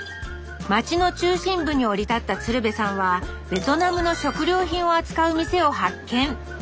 町の中心部に降り立った鶴瓶さんはベトナムの食料品を扱う店を発見。